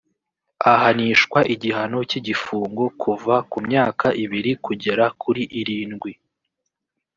ahanishwa igihano cy’igifungo kuva ku myaka ibiri kugera kuri irindwi